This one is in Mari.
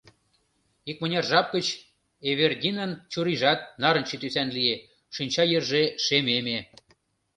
Икмыняр жап гыч Эвердинан чурийжат нарынче тӱсан лие, шинча йырже шемеме.